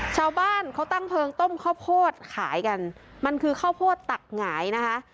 ชาวบ้านเขาตั้งเพลิงต้มข้าวโพดขายกันมันคือข้าวโพดตักหงายนะคะ